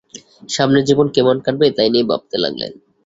সামনের জীবন কেমন কাটবে, তাই নিয়ে ভাবতে লাগলেন।